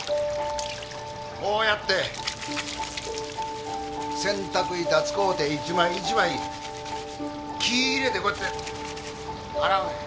こうやって洗濯板使うて１枚１枚気入れてこうやって洗うねん。